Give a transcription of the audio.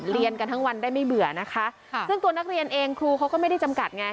เรียนกันทั้งวันได้ไม่เบื่อนะคะซึ่งตัวนักเรียนเองครูเขาก็ไม่ได้จำกัดไง